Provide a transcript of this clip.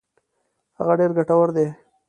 هغه ډېر ګټور دي.